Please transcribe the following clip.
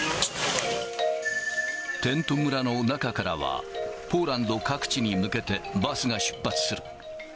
テント村の中からは、ポーランド各地に向けてバスが出発する。